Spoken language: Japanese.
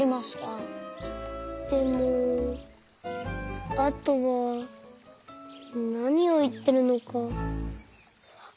でもあとはなにをいってるのかわからなかった。